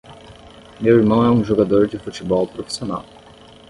Meu irmão é um jogador de futebol profissional.